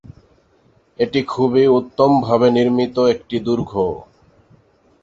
এটি খুবই উত্তম ভাবে নির্মিত একটি দুর্গ।